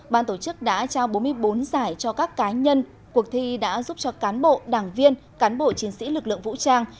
ban tổ chức đã trao bốn mươi bốn giải cho các cá nhân cuộc thi đã giúp cho cán bộ đảng viên cán bộ chiến sĩ lực lượng vũ trang